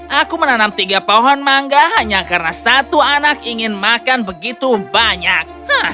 aku menanam tiga pohon mangga hanya karena satu anak ingin makan begitu banyak